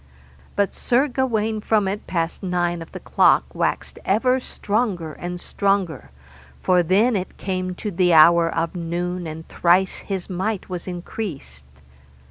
But Sir Gawaine from it passed nine of the clock waxed ever stronger and stronger, for then it came to the hour of noon, and thrice his might was increased.